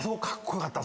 よかった。